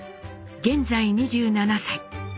現在２７歳。